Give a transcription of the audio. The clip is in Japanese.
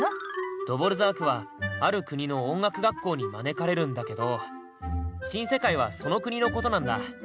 ドヴォルザークはある国の音楽学校に招かれるんだけど「新世界」はその国のことなんだ。